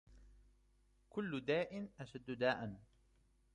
كُلُّ دَاءٍ أَشَدُّ دَاءً